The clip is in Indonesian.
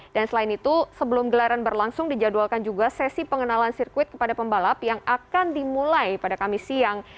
dan selain itu sebelum gelaran berlangsung dijadwalkan juga sesi pengenalan sirkuit kepada pembalap yang akan dimulai pada kamis siang